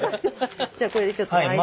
じゃあこれちょっと巻いて。